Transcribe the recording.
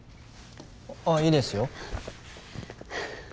ああいいですよ。